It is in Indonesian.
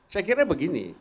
saya kira begini